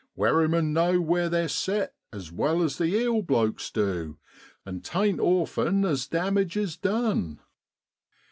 Wherrymen know where they're set as well as the eel blokes do, and t'ain't often as damage is done.